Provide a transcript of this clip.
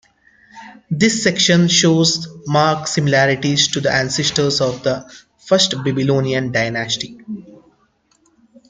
This section shows marked similarities to the ancestors of the First Babylonian Dynasty.